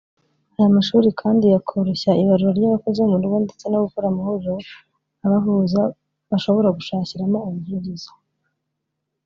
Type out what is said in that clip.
Aya mashuri kandi yakoroshya ibarura ry’abakozi bo mu rugo ndetse no gukora amahuriro abahuza bashobora gushakiramo ubuvugizi